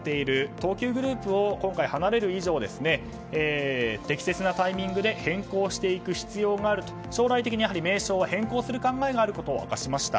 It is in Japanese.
東急グループを今回離れる以上適切なタイミングで変更していく必要があると将来的に名称は変更する考えがあることを明かしました。